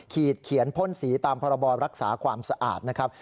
เขียนพ่นสีตามพรบรักษาความสะอาดนะครับ